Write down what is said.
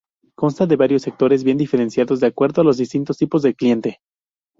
Consta de varios sectores bien diferenciados, de acuerdo a los distintos tipos de cliente.